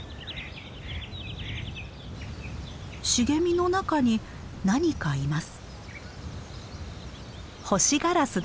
茂みの中に何かいます。